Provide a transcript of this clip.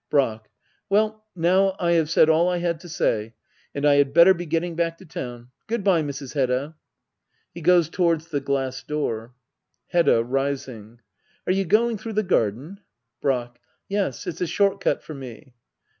Brack. Well, now I have said all I had to say ; and I had better be getting back to town. Good bye, Mrs. Hedda. [He goes towards the glass door. Hedda. [Bising,'] Are you going through the garden } Brack. Yes, it's a short cut for me.